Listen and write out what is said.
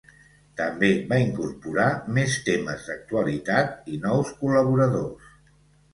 També va incorporar més temes d’actualitat i nous col·laboradors.